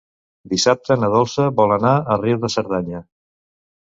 Dissabte na Dolça vol anar a Riu de Cerdanya.